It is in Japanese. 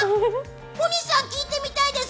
小西さん、聞いてみたいです。